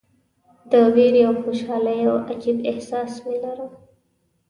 د ویرې او خوشالۍ یو عجیب احساس مې لرم.